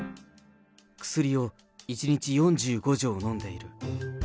薬を１日４５錠飲んでいる。